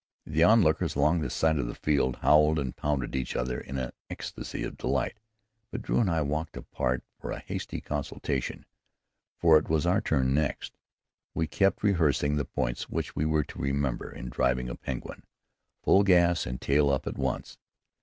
The onlookers along the side of the field howled and pounded each other in an ecstasy of delight, but Drew and I walked apart for a hasty consultation, for it was our turn next. We kept rehearsing the points which we were to remember in driving a Penguin: full gas and tail up at once.